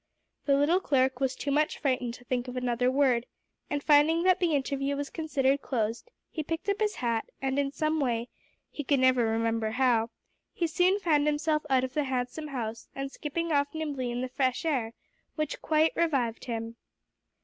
The little clerk was too much frightened to think of another word; and finding that the interview was considered closed, he picked up his hat, and in some way, he could never remember how, he soon found himself out of the handsome house, and skipping off nimbly in the fresh air, which quite revived him.